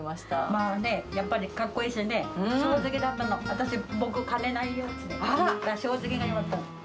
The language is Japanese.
まあね、やっぱりかっこいいしね、正直だったの、僕、金ないよって、正直がよかったの。